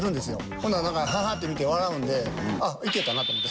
ほんならなんか「ははっ」って見て笑うんで「あっいけたな」と思って。